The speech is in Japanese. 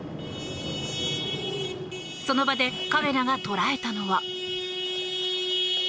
その場でカメラが捉えたのは。